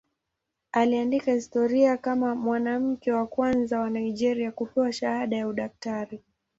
Aliandika historia kama mwanamke wa kwanza wa Nigeria kupewa shahada ya udaktari.